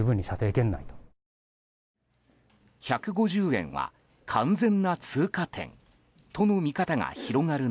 １５０円は完全な通過点との見方が広がる